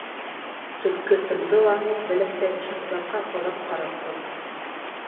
Төлкө тымды ла Бәләкәй шаһзатҡа оҙаҡ ҡарап торҙо.